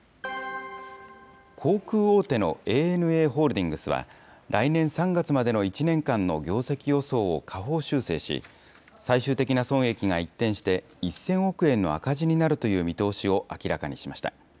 航空大手のＡＮＡホールディングスは、来年３月までの１年間の業績予想を下方修正し、最終的な損益が一転して、１０００億円の赤字になるという見通しを明らかにしました。